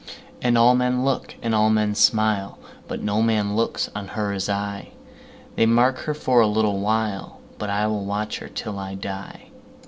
And all men look, and all men smile, But no man looks on her as I:They mark her for a little while, But I will watch her till I die.